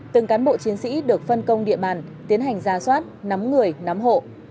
từng cán bộ chiến sĩ được phân công địa bàn tiến hành ra soát nắm người nắm hộ